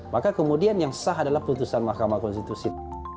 maka kemudian yang sah adalah putusan mahkamah konstitusi